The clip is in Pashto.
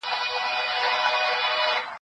ما چي ول ته به بالا دا کار ونکړې